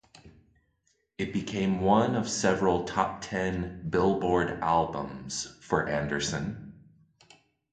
It became one of several top ten "Billboard" albums for Anderson.